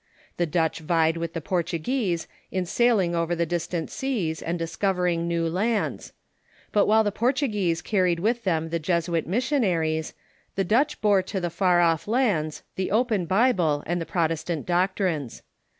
The Dutch vied with the Portuguese in sailing over the distant seas and discovering new lands. But while the Portuguese carried with them the Jesuit missionaries, the Dutch bore to the far oflf lands the open Bible and the Protestant doctrines.